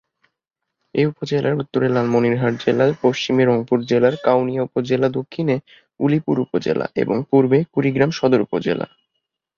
এ উপজেলার উত্তরে লালমনিরহাট জেলা, পশ্চিমে রংপুর জেলার, কাউনিয়া উপজেলা দক্ষিণে উলিপুর উপজেলা, এবং পুর্বে কুড়িগ্রাম সদর উপজেলা।